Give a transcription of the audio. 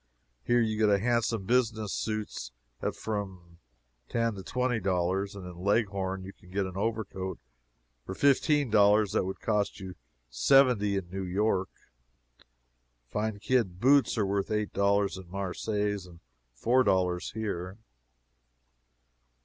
Here you get handsome business suits at from ten to twenty dollars, and in Leghorn you can get an overcoat for fifteen dollars that would cost you seventy in New York. Fine kid boots are worth eight dollars in Marseilles and four dollars here.